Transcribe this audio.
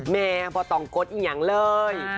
แม่พ่อต้องกดอีกอย่างเลย